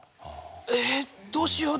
えっどうしよう？